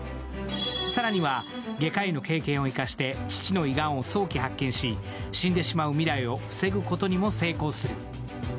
更には、外科医の経験を生かして父の胃ガンを早期発見し、死んでしまう未来を防ぐことにも成功する。